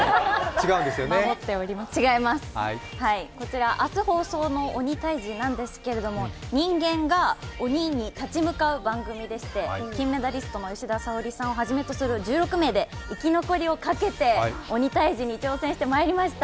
違います、こちら明日放送の「鬼タイジ」なんですけれども、人間が鬼に立ち向かう番組でして金メダリストの吉田沙保里さんをはじめとする１６名で生き残りをかけて、鬼タイジに挑戦してまいりました。